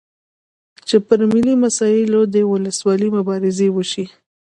چې پر ملي مسایلو دې وسلوالې مبارزې وشي.